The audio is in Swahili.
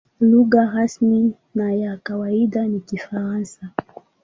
Lugha rasmi na ya kawaida ni Kifaransa.